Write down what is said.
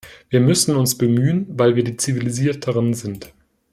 Wir müssen uns bemühen, weil wir die Zivilisierteren sind.